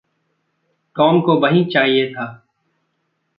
Tom को वहीं चाहिए था।